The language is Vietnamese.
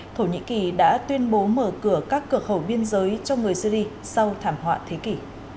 thổ nhĩ kỳ đã tuyên bố mở cửa các cửa khẩu biên giới cho người syri sau thảm họa thế kỷ